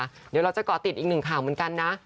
เดี๋ยวเราจะเกาะติดอีกหนึ่งข่าวเหมือนกันนะ